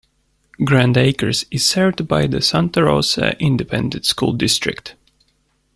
Grand Acres is served by the Santa Rosa Independent School District.